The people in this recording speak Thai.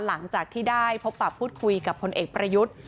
หลังจากที่ได้พบปรับพูดคุยกับพลเอกประยุทธ์